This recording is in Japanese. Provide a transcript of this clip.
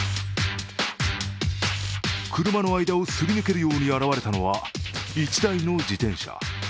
車の間をすり抜けるように現れたのは１台の自転車。